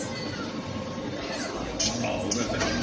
ごめんなさいね、今。